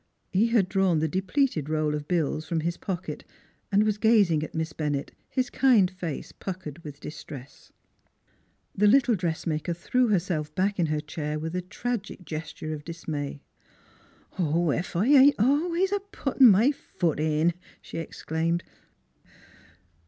He had drawn the depleted roll of bills from his pocket and was gazing at Miss Bennett, his kind face puckered with distress. 120 NEIGHBORS The little dressmaker threw herself back in her chair with a tragic gesture of dismay. " Ef I ain't always a puttin' my foot in! " she exclaimed.